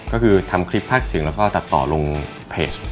ก็คือทำคลิปภาคเสียงแล้วก็ตัดต่อลงเพจ